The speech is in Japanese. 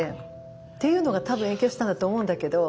っていうのが多分影響したんだと思うんだけど。